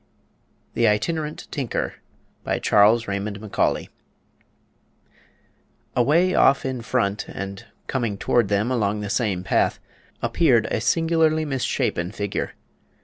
THE ITINERANT TINKER BY CHARLES RAYMOND MACAULEY Away off in front, and coming toward them along the same path, appeared a singularly misshapen figure.